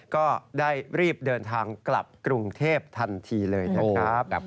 ก็ได้รีบเดินทางกลับกรุงเทพทันทีเลยนะครับ